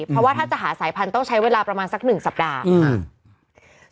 เพราะว่าถ้าจะหาสายพันธุ์ต้องใช้เวลาประมาณสักหนึ่งสัปดาห์อืม